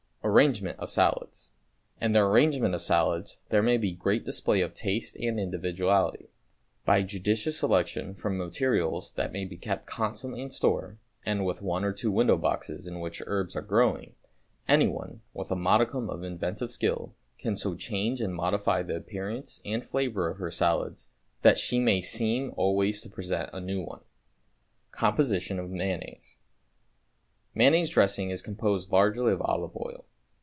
=Arrangement of Salads.= In the arrangement of salads there may be great display of taste and individuality. By a judicious selection from materials that may be kept constantly in store, and with one or two window boxes, in which herbs are growing, any one, with a modicum of inventive skill, can so change and modify the appearance and flavor of her salads that she may seem always to present a new one. =Composition of Mayonnaise.= Mayonnaise dressing is composed largely of olive oil.